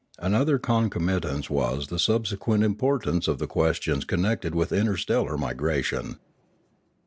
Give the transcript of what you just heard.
Another concomitance was the subsequent importance of the questions connected with inter stellar migration.